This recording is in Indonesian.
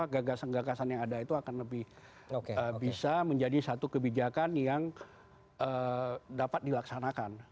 gagasan gagasan yang ada itu akan lebih bisa menjadi satu kebijakan yang dapat dilaksanakan